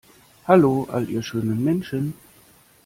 Hallo, all ihr schönen Menschen.